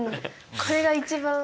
これが一番。